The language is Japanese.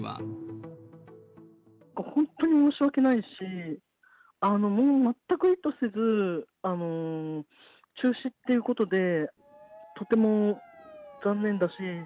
本当に申し訳ないし、もう全く意図せず、中止っていうことで、とても残念だし。